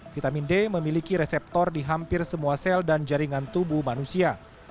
vitamin d memiliki reseptor di hampir semua sel dan jaringan tubuh manusia